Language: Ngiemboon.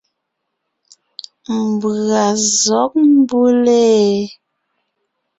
Mbʉ̀a zɔ̌g mbʉ́le ?